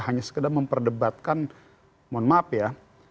hanya sekedar memperdebatkan mohon maaf ya